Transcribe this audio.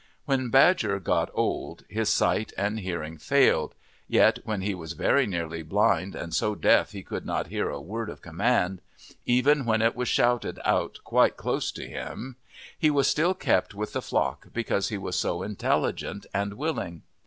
When Badger got old his sight and hearing failed; yet when he was very nearly blind and so deaf that he could not hear a word of command, even when it was shouted out quite close to him, he was still kept with the flock because he was so intelligent and willing.